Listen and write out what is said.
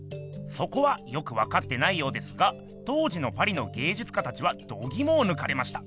そこはよくわかってないようですが当時のパリの芸術家たちはどぎもをぬかれました。